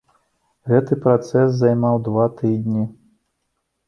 Гэты працэс займаў два тыдні.